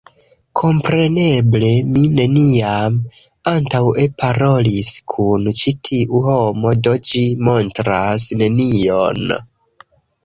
Kompreneble, mi neniam antaŭe parolis kun ĉi tiu homo do ĝi montras nenion